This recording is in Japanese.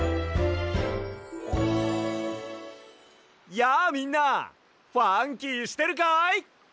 やあみんなファンキーしてるかい？